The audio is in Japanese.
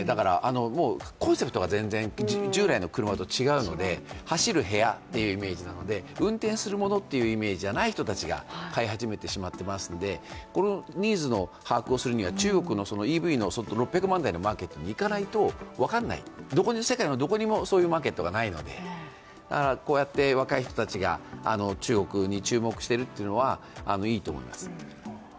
コンセプトが従来の車と全然違うので、走る部屋っていうイメージなので運転するものというイメージではない人たちが買い始めてしまっていますのでこのニーズの把握をするには中国のＥＶの６００万台のマーケットに行かないと分かんない、世界のどこにもそういうマーケットがないので若い人たちが中国に注目しているというのはいいと思います。